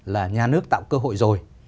là nhà nước tạo cơ hội rồi